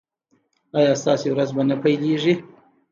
ایا ستاسو ورځ به نه پیلیږي؟